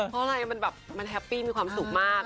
เพราะอะไรมันแบบมันแฮปปี้มีความสุขมาก